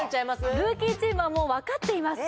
ルーキーチームはもう分かっています